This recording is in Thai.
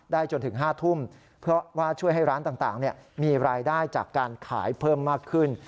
จนถึง๕ทุ่มเพราะว่าช่วยให้ร้านต่างมีรายได้จากการขายเพิ่มมากขึ้น